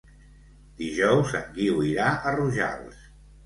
Dijous en Guiu irà a Rojals.